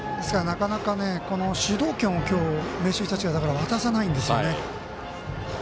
なかなか、主導権を明秀日立が渡さないですよね。